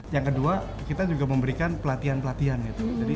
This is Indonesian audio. yang kedua kita juga memberikan pelatihan pelatihan gitu